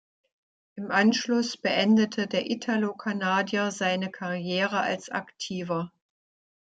Im Anschluss beendete der Italo-Kanadier seine Karriere als Aktiver.